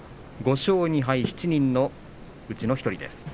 ５勝２敗、７人のうちの１人です。